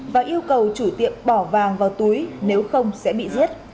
và yêu cầu chủ tiệm bỏ vàng vào túi nếu không sẽ bị giết